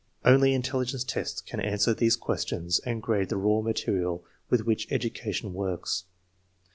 Only intelligence tests can answer these questions and grade the raw material with which education works.